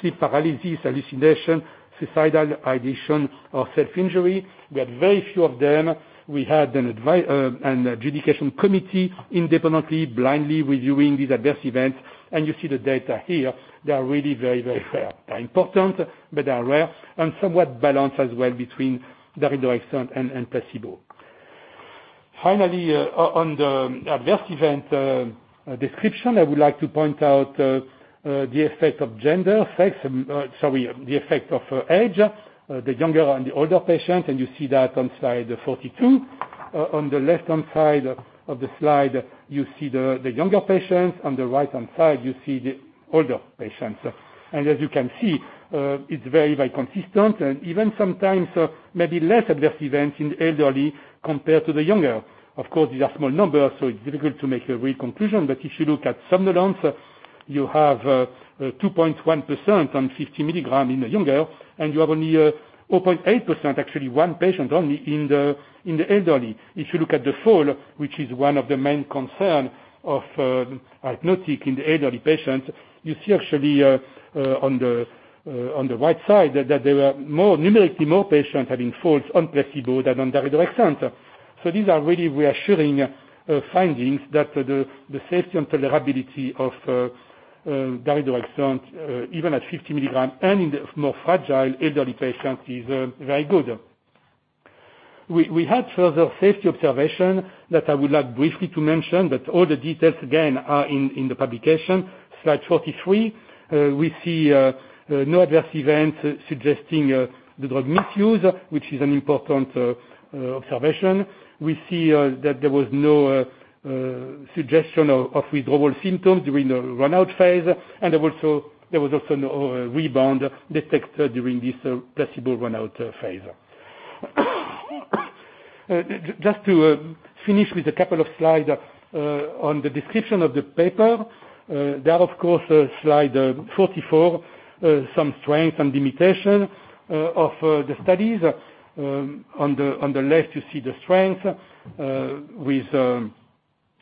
E: sleep paralysis, hallucination, suicidal ideation, or self-injury. We had very few of them. We had an adjudication committee independently, blindly reviewing these adverse events. You see the data here, they are really very, very rare. They're important, but they are rare and somewhat balanced as well between daridorexant and placebo. Finally, on the adverse event description, I would like to point out the effect of gender, sex, sorry, the effect of age, the younger and the older patient, and you see that on slide 42. On the left-hand side of the slide, you see the younger patients. On the right-hand side, you see the older patients. As you can see, it's very, very consistent and even sometimes, maybe less adverse events in elderly compared to the younger. Of course, these are small numbers, so it's difficult to make a real conclusion. If you look at somnolence, you have 2.1% on 50 mg in the younger, and you have only 4.8%, actually one patient only in the elderly. If you look at the fall, which is one of the main concern of hypnotic in the elderly patients, you see actually on the right side that there were more, numerically more patients having falls on placebo than on daridorexant. These are really reassuring findings that the safety and tolerability of daridorexant even at 50 mg and in the more fragile elderly patients is very good. We had further safety observation that I would like briefly to mention, but all the details again are in the publication. Slide 43, we see no adverse event suggesting the drug misuse, which is an important observation. We see that there was no suggestion of withdrawal symptoms during the run-out phase. There was also no rebound detected during this placebo run-out phase. Just to finish with a couple of slide on the description of the paper, there of course is slide 44, some strengths and limitations of the studies. On the left you see the strengths with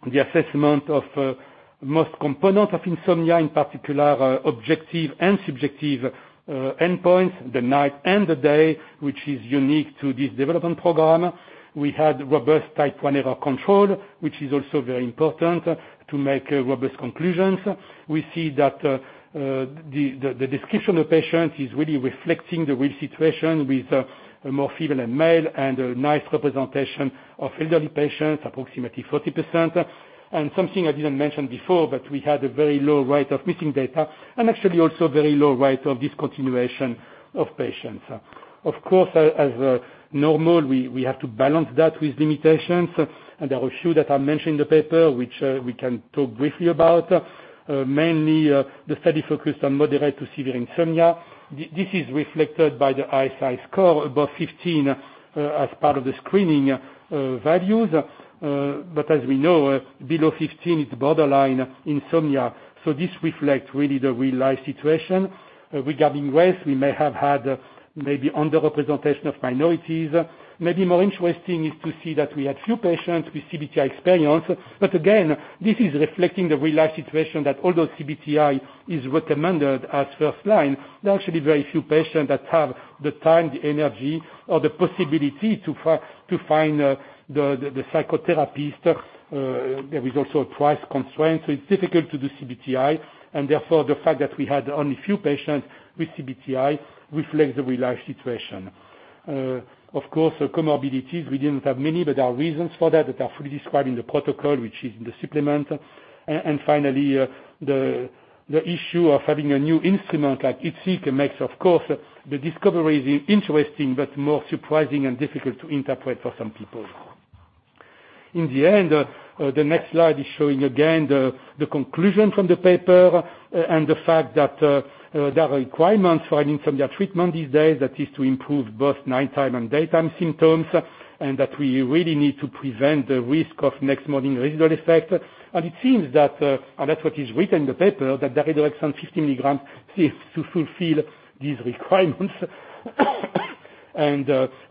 E: the assessment of most components of insomnia, in particular, objective and subjective endpoints, the night and the day, which is unique to this development program. We had robust Type I error control, which is also very important to make robust conclusions. We see that the description of patient is really reflecting the real situation with more female than male and a nice representation of elderly patients, approximately 40%. Something I didn't mention before, but we had a very low rate of missing data and actually also very low rate of discontinuation of patients. Of course, as normal, we have to balance that with limitations. There are a few that are mentioned in the paper, which we can talk briefly about. Mainly, the study focused on moderate to severe insomnia. This is reflected by the ISI score above 15, as part of the screening values. As we know, below 15 it's borderline insomnia. This reflects really the real-life situation. Regarding race, we may have had maybe underrepresentation of minorities. Maybe more interesting is to see that we had few patients with CBT-I experience. Again, this is reflecting the real-life situation that although CBT-I is recommended as first line, there are actually very few patients that have the time, the energy, or the possibility to find the psychotherapist. There is also a price constraint, so it's difficult to do CBT-I and therefore the fact that we had only few patients with CBT-I reflects the real-life situation. Of course, comorbidities, we didn't have many, but there are reasons for that that are fully described in the protocol, which is in the supplement. Finally, the issue of having a new instrument like IDSIQ makes, of course, the discovery interesting but more surprising and difficult to interpret for some people. In the end, the next slide is showing again the conclusion from the paper and the fact that there are requirements for insomnia treatment these days, that is to improve both nighttime and daytime symptoms, and that we really need to prevent the risk of next morning residual effect. It seems that, and that's what is written in the paper, that daridorexant 50 mg seems to fulfill these requirements.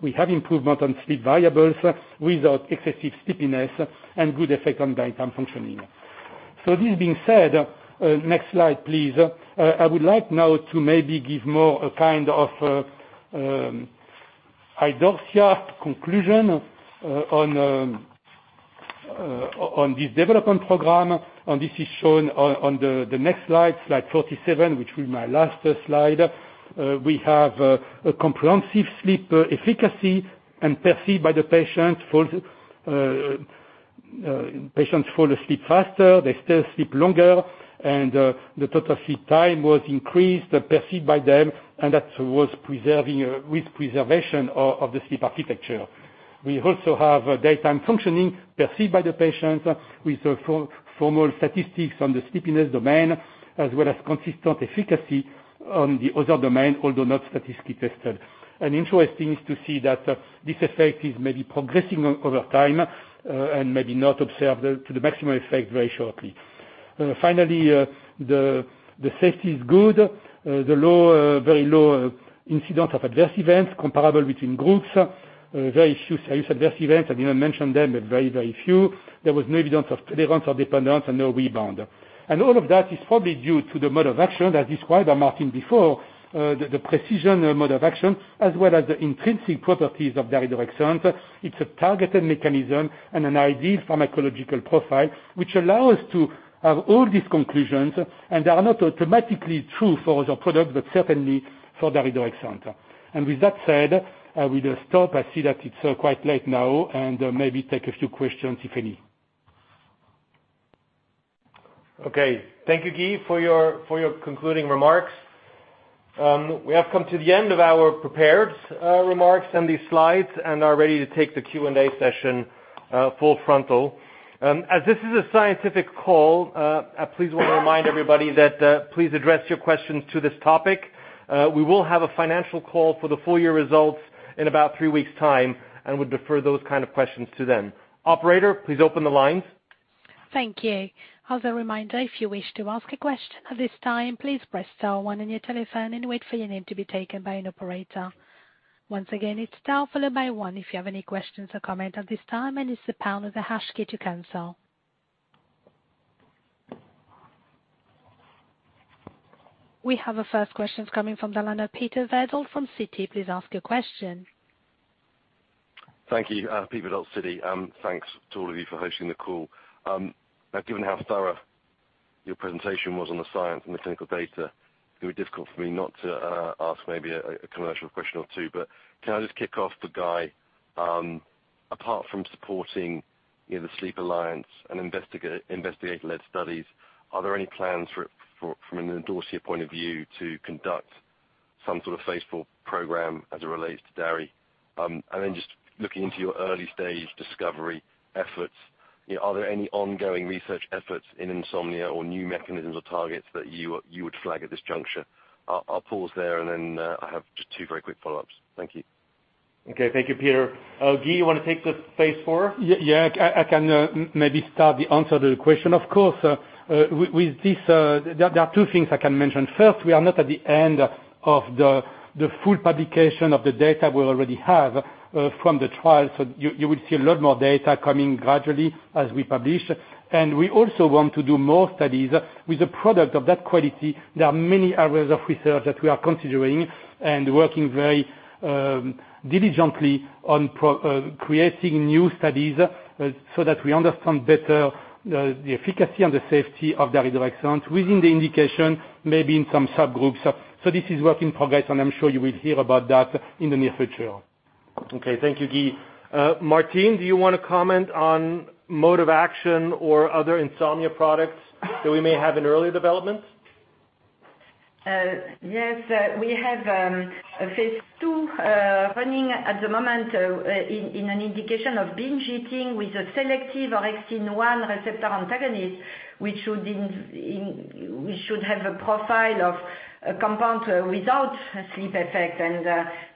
E: We have improvement on sleep variables without excessive sleepiness and good effect on daytime functioning. Next slide, please. I would like now to maybe give more a kind of Idorsia conclusion on this development program, and this is shown on the next slide 47, which will be my last slide. We have a comprehensive sleep efficacy and perceived by the patient. Patients fall asleep faster, they still sleep longer, and the total sleep time was increased, perceived by them, and that was with preservation of the sleep architecture. We also have daytime functioning perceived by the patient with formal statistics on the sleepiness domain, as well as consistent efficacy on the other domain, although not statistically tested. Interesting is to see that this effect is maybe progressing over time, and maybe not observed to the maximum effect very shortly. Finally, the safety is good. The low, very low, incidence of adverse events comparable between groups. Very few serious adverse events. I didn't mention them, but very, very few. There was no evidence of tolerance or dependence and no rebound. All of that is probably due to the mode of action as described by Martine before, the precision mode of action, as well as the intrinsic properties of daridorexant. It's a targeted mechanism and an ideal pharmacological profile, which allow us to have all these conclusions, and they are not automatically true for other products, but certainly for daridorexant. With that said, I will stop. I see that it's quite late now, and maybe take a few questions, if any.
B: Okay. Thank you, Guy, for your concluding remarks. We have come to the end of our prepared remarks and these slides and are ready to take the Q&A session full frontal. As this is a scientific call, please, I want to remind everybody that please address your questions to this topic. We will have a financial call for the full year results in about three weeks' time and would defer those kinds of questions to then. Operator, please open the lines.
A: Thank you. As a reminder, if you wish to ask a question at this time, please press star one on your telephone and wait for your name to be taken by an operator. Once again, it's star followed by one if you have any questions or comment at this time, and it's the pound or the hash key to cancel. We have our first question coming from Peter Verdult at Citi. Please ask your question.
F: Thank you. Pete at Citi. Thanks to all of you for hosting the call. Now given how thorough your presentation was on the science and the clinical data, it would be difficult for me not to ask maybe a commercial question or two. Can I just kick off with Guy? Apart from supporting, you know, the Alliance for Sleep and investigator-led studies, are there any plans for, from an Idorsia point of view to conduct some sort of phase IV program as it relates to Dari? Just looking into your early-stage discovery efforts, are there any ongoing research efforts in insomnia or new mechanisms or targets that you would flag at this juncture? I'll pause there and then I have just two very quick follow-ups. Thank you.
B: Okay. Thank you, Peter. Guy, you want to take this phase IV?
E: Yes. I can maybe start the answer to the question. Of course. With this, there are two things I can mention. First, we are not at the end of the full publication of the data we already have from the trial. You will see a lot more data coming gradually as we publish. We also want to do more studies. With a product of that quality, there are many areas of research that we are considering and working very diligently on creating new studies so that we understand better the efficacy and the safety of daridorexant within the indication, maybe in some subgroups. This is work in progress, and I'm sure you will hear about that in the near future.
B: Okay. Thank you, Guy. Martine, do you want to comment on mode of action or other insomnia products that we may have in early development?
D: Yes. We have a phase II running at the moment in an indication of binge eating with a selective orexin-1 receptor antagonist, which should have a profile of a compound without sleep effect.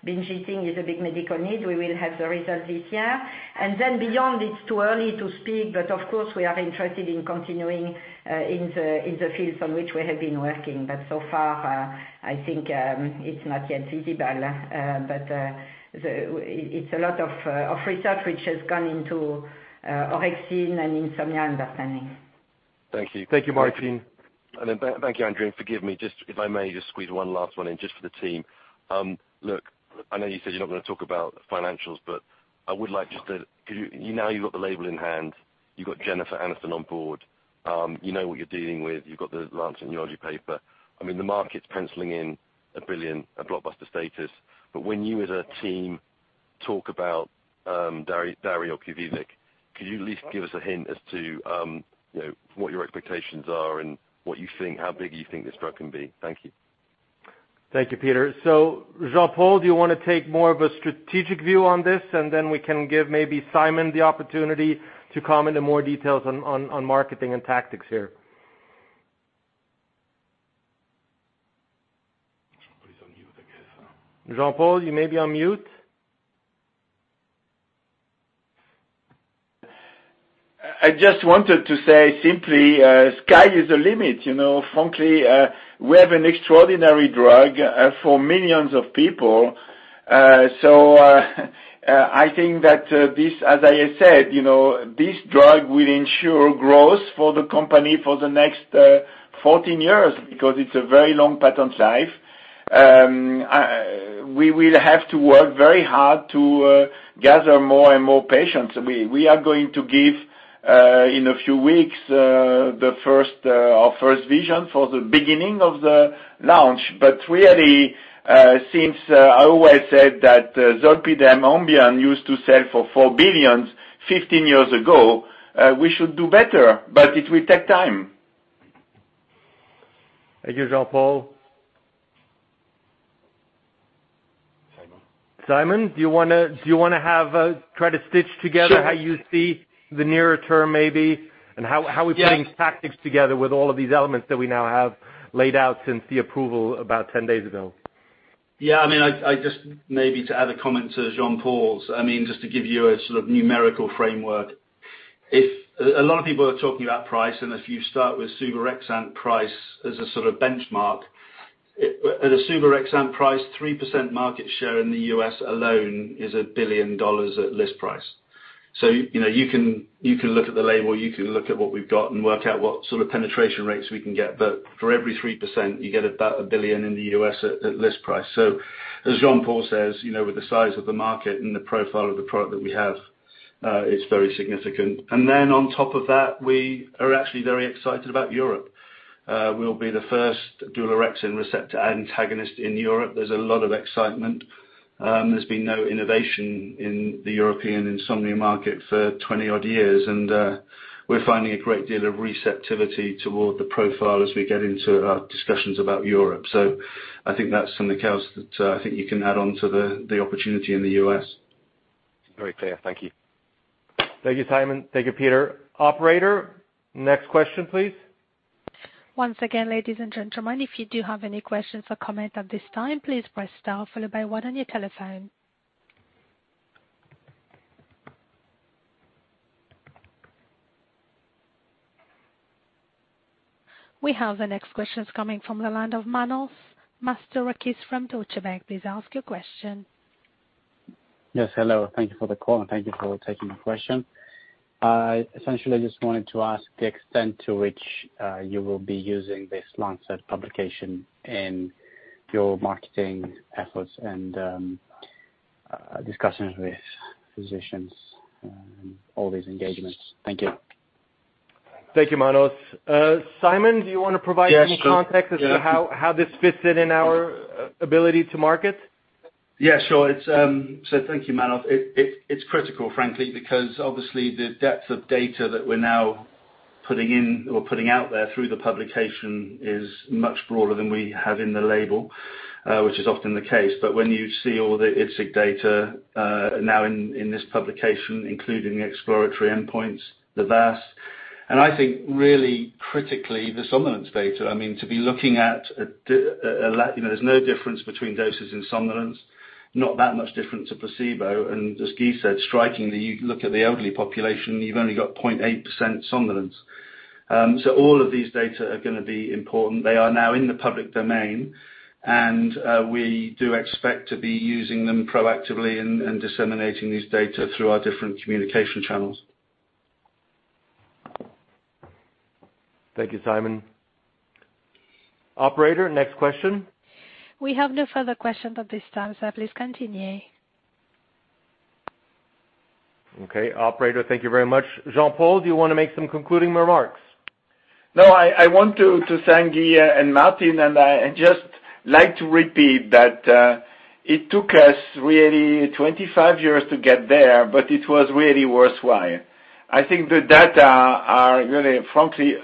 D: Binge eating is a big medical need. We will have the result this year. Beyond, it's too early to speak, but of course, we are interested in continuing in the fields on which we have been working. So far, I think, it's not yet visible. It's a lot of research which has gone into orexin and insomnia understanding.
F: Thank you.
B: Thank you, Martine.
F: Thank you, Andrew. Forgive me, if I may just squeeze one last one in just for the team. Look, I know you said you're not going to talk about financials, but I would like. Could you now you've got the label in hand. You've got Jennifer Aniston on board. You know what you're dealing with. You've got The Lancet Neurology paper. I mean, the market's penciling in $1 billion, a blockbuster status. But when you as a team talk about daridorexant, could you at least give us a hint as to you know, what your expectations are and what you think, how big you think this drug can be? Thank you.
B: Thank you, Peter. Jean-Paul, do you want to take more of a strategic view on this? We can give maybe Simon the opportunity to comment on more details on marketing and tactics here. Jean-Paul, you may be on mute.
C: I just wanted to say simply, sky is the limit. You know, frankly, we have an extraordinary drug for millions of people. I think that, as I said, you know, this drug will ensure growth for the company for the next 14 years because it's a very long patent life. We will have to work very hard to gather more and more patients. We are going to give, in a few weeks, our first vision for the beginning of the launch. Really, since I always said that zolpidem Ambien used to sell for $4 billion 15 years ago, we should do better, but it will take time.
B: Thank you, Jean-Paul. Simon, do you want to try to stitch together-
G: Sure....
B: How you see the nearer term maybe, and how-
G: Yeah....
B: are we putting tactics together with all of these elements that we now have laid out since the approval about 10 days ago?
G: Yeah, I mean, I just maybe to add a comment to Jean-Paul's. I mean, just to give you a sort of numerical framework. If a lot of people are talking about price, and if you start with suvorexant price as a sort of benchmark. At a suvorexant price, 3% market share in the U.S. alone is $1 billion at list price. So, you know, you can look at the label, look at what we've got and work out what sort of penetration rates we can get. But for every 3%, you get about $1 billion in the U.S. at list price. So as Jean-Paul says, you know, with the size of the market and the profile of the product that we have, it's very significant. Then on top of that, we are actually very excited about Europe. We'll be the first dual orexin receptor antagonist in Europe. There's a lot of excitement. There's been no innovation in the European insomnia market for 20-odd years, and we're finding a great deal of receptivity toward the profile as we get into our discussions about Europe. I think that's something else that I think you can add on to the opportunity in the U.S.
F: Very clear. Thank you.
B: Thank you, Simon. Thank you, Peter. Operator, next question, please.
A: Once again, ladies and gentlemen, if you do have any questions or comments at this time, please press star followed by one on your telephone. We have the next questions coming from the line of Manos Mastorakis from Deutsche Bank. Please ask your question.
H: Yes. Hello. Thank you for the call, and thank you for taking my question. Essentially, I just wanted to ask the extent to which you will be using this Lancet publication in your marketing efforts and discussions with physicians, all these engagements? Thank you.
B: Thank you, Manos. Simon, do you want to provide any context-
G: Yes, sure. Yes....
B: as to how these fits in our ability to market?
G: Yes, sure. Thank you, Manos. It's critical, frankly, because obviously the depth of data that we're now putting in or putting out there through the publication is much broader than we have in the label, which is often the case. But when you see all the IDSIQ data, now in this publication, including the exploratory endpoints, the VAS, and I think really critically, the somnolence data. To be looking at, there's no difference between doses and somnolence, not that much difference to placebo. And as Guy said, strikingly, you look at the elderly population, you've only got 0.8% somnolence. All of these data are going to be important. They are now in the public domain, and we do expect to be using them proactively and disseminating these data through our different communication channels.
B: Thank you, Simon. Operator, next question.
A: We have no further questions at this time, so please continue.
B: Okay. Operator, thank you very much. Jean-Paul, do you want to make some concluding remarks?
C: No, I want to thank Guy and Martine, and I just like to repeat that it took us really 25 years to get there, but it was really worthwhile. I think the data are really frankly.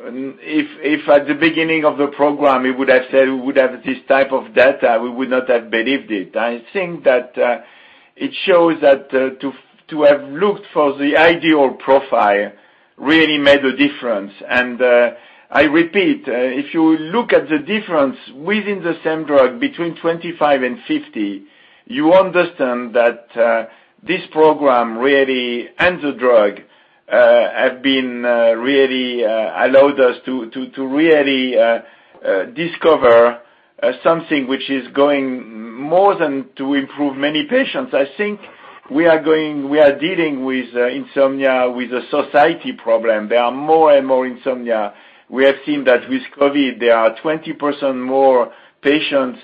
C: If at the beginning of the program, we would have said we would have this type of data, we would not have believed it. I think that it shows that to have looked for the ideal profile really made a difference. I repeat, if you look at the difference within the same drug between 25 and 50, you understand that this program really, and the drug, have been really allowed us to to really discover something which is going more than to improve many patients. I think we are dealing with insomnia with a society problem. There are more and more insomnia. We have seen that with COVID, there are 20% more patients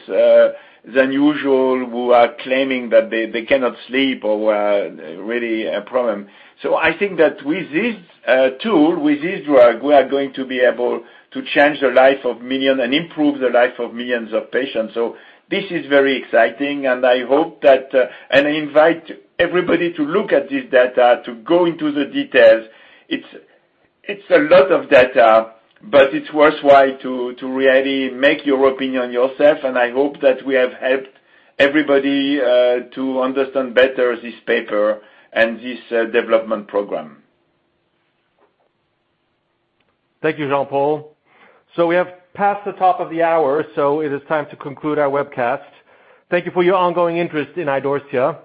C: than usual who are claiming that they cannot sleep or who are really a problem. I think that with this tool, with this drug, we are going to be able to change the life of million and improve the life of millions of patients. This is very exciting, and I hope that I invite everybody to look at this data, to go into the details. It's a lot of data, but it's worthwhile to really make your opinion yourself. I hope that we have helped everybody to understand better this paper and this development program.
B: Thank you, Jean-Paul. We have passed the top of the hour, so it is time to conclude our webcast. Thank you for your ongoing interest in Idorsia.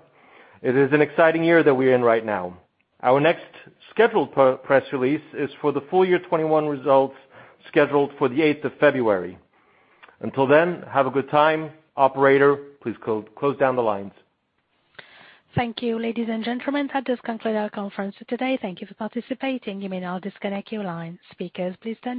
B: It is an exciting year that we're in right now. Our next scheduled press release is for the full year 2021 results, scheduled for the 8th of February. Until then, have a good time. Operator, please close down the lines.
A: Thank you, ladies and gentlemen. That does conclude our conference today. Thank you for participating. You may now disconnect your line. Speakers, please stand by.